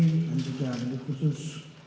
dan juga adik khusus